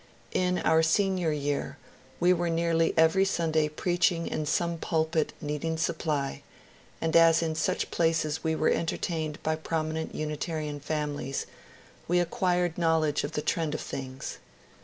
In our Senior year we were nearly every Sunday preaching in some pulpit needing supply, and as in such places we were entertained by prominent Unitarian families, we acquired knowledge of the trend of things.